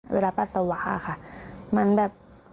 เวลาประสาวาค่ะมันแบบ